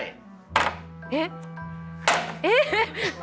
えっ。えっ！？